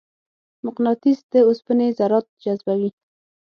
مقناطیس د اوسپنې ذرات جذبوي.